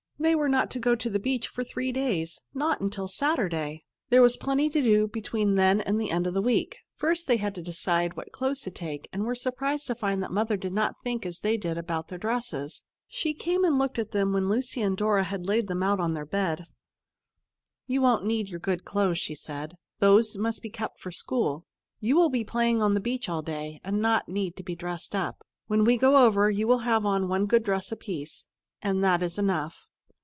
They were not to go to the beach for three days, not until Saturday. There was plenty to do between then and the end of the week. First, they had to decide what clothes to take, and were surprised to find that Mother did not think as they did about the dresses. She came and looked at them when Lucy and Dora had laid them out on their bed. "You won't need your good clothes," she said. "Those must be kept for school. You will be playing on the beach all day, and not need to be dressed up. When we go over, you will have on one good dress apiece, and that is enough."